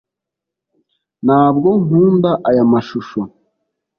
ntabwo nkunda aya mashusho